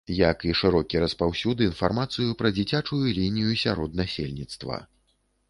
Як і шырокі распаўсюд інфармацыю пра дзіцячую лінію сярод насельніцтва.